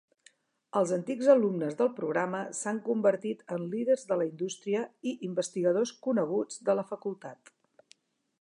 Els antics alumnes del programa s'han convertit en líders de la indústria i investigadors coneguts de la facultat.